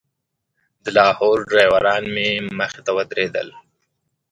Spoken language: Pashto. د لاهور ډریوران مې مخې ته ودرېدل.